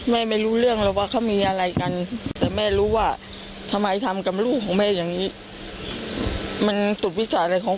ไม่รู้เรื่องว่าทำไมทำกับลูกแม่อย่างนี้มันสุดวิจาะของ